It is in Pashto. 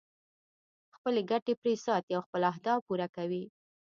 خپلې ګټې پرې ساتي او خپل اهداف پوره کوي.